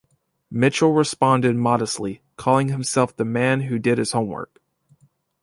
Mitchell responded modestly, calling himself the man who did his homework.